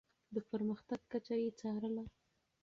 د پرمختګ کچه يې څارله.